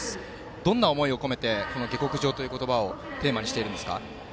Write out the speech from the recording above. どんな思いを込めてこの下克上という言葉をテーマにしているんですか？